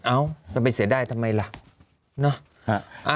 จะไปเสียดายทำไมล่ะ